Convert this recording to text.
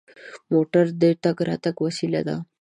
موټر د تګ راتګ وسیله ده.